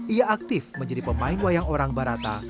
ia aktif menjadi pemain wayang orang barata